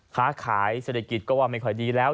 ค้าขายเศรษฐกิจก็ว่าไม่ค่อยดีแล้ว